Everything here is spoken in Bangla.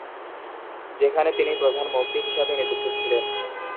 যেখানে তিনি প্রধান মুফতি হিসাবে নিযুক্ত ছিলেন।